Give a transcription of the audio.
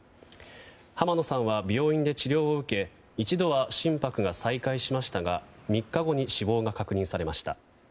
浜野さんは病院で治療を受け一度は心拍が再開しましたが３日後に死亡が確認されました。